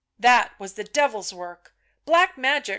" That was the Devil's work, black magic